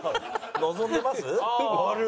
望んでます？